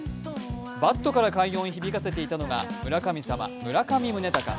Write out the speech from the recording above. バットから快音を響かせていたのが村神様・村上宗隆。